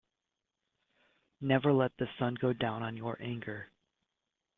Never let the sun go down on your anger.